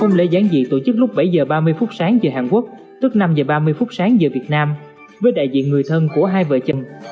ông lễ giáng dị tổ chức lúc bảy h ba mươi phút sáng giờ hàn quốc tức năm h ba mươi phút sáng giờ việt nam với đại diện người thân của hai vợ chồng